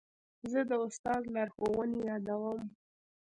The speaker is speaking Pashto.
زه د استاد لارښوونې یادوم.